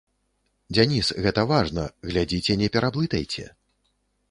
Дзяніс, гэта важна, глядзіце, не пераблытайце.